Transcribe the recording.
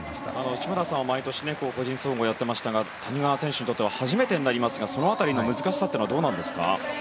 内村さんは毎年、個人総合やっていましたが谷川選手にとっては初めてになりますがその辺りの難しさはどうなんですか。